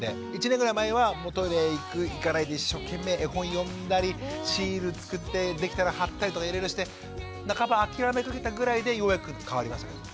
１年ぐらい前はトイレ行く行かないで一生懸命絵本読んだりシールつくってできたら貼ったりとかいろいろして半ば諦めかけたぐらいでようやく変わりましたけどね。